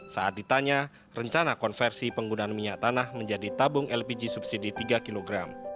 saat ditanya rencana konversi penggunaan minyak tanah menjadi tabung lpg subsidi tiga kg